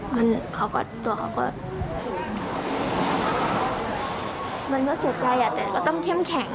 มันก็เสียใจแต่ต้องเข้มแข็งค่ะ